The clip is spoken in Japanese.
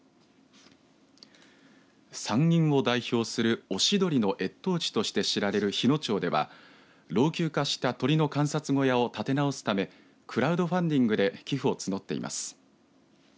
山陰を代表するオシドリの越冬地と知られる日野町では老朽化した鳥の観察小屋を建て直すためクラウドファンディングで寄付を募っています。